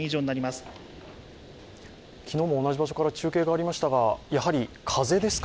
昨日も同じ場所から中継がありましたが、やはり風ですか？